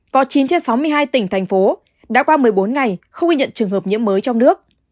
có chín trên sáu mươi hai tỉnh thành phố đã qua một mươi bốn ngày không ghi nhận trường hợp nhiễm mới trong nước